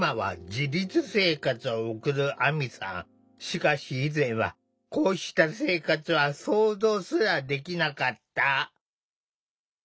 しかし以前はこうした生活は想像すらできなかった。